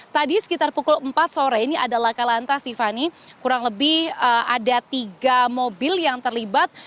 tadi sekitar pukul empat sore ini ada laka lantas tiffany kurang lebih ada tiga mobil yang terlibat